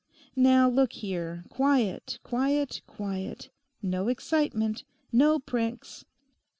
Now look here; quiet, quiet, quiet; no excitement, no pranks.